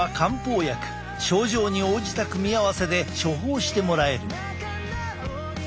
症状に応じた組み合わせで処方してもらえる。